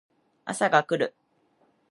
朝が来る